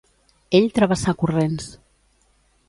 Ell travessà corrents.